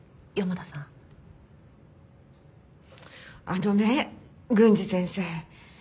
あのね郡司先生。